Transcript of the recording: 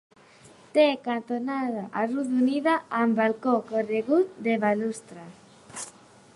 Té cantonada arrodonida, amb balcó corregut de balustres.